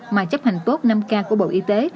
mà chấp hành tốt năm k của bộ y tế